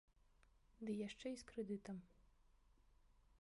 Ды яшчэ і з крэдытам.